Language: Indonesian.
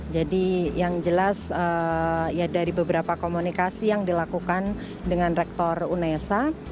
jadi yang jelas ya dari beberapa komunikasi yang dilakukan dengan rektor unesa